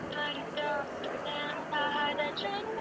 附近有台北捷运府中站及亚东医院站。